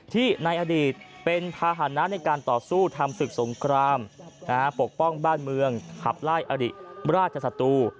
ในอดีตเป็นภาษณะในการต่อสู้ทำศึกสงครามปกป้องบ้านเมืองขับไล่อริราชศัตรู